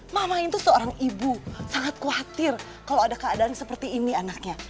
mama itu seorang ibu sangat khawatir kalau ada keadaan seperti ini anaknya